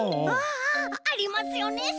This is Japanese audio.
ああああありますよね